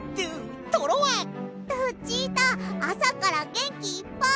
ルチータあさからげんきいっぱい！